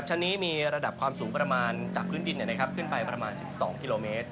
ชั้นนี้มีระดับความสูงประมาณจากพื้นดินขึ้นไปประมาณ๑๒กิโลเมตร